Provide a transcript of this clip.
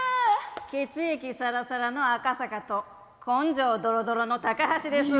血液サラサラの赤阪と根性ドロドロの高橋です。